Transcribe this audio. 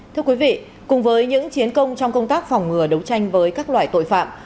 thưa quý vị cùng với những chiến công trong công tác phòng ngừa đấu tranh với các loại tội phạm